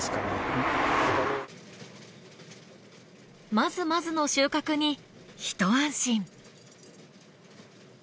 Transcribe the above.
まずまずの収穫に一安心。